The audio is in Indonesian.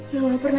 yang lapar nadia